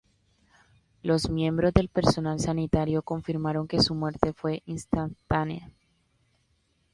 Los miembros del personal sanitario confirmaron que su muerte fue instantánea.